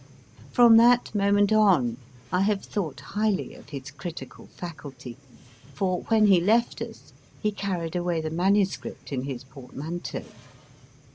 From that moment on, I have thought highly of his critical faculty ; for when he left us, he carried away the manuscript in his portmanteau.